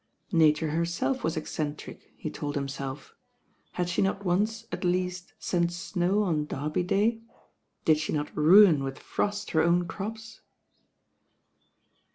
Nature herself was eccentric, he told himself. Had she not once at least Knt snow on Derby Day? Did she not ruitt with frost her own crops?